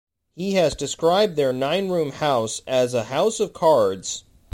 He has described their nine-room house as a house of cards.